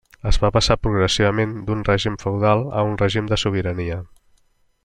Es va passar progressivament d'un règim feudal a un règim de sobirania.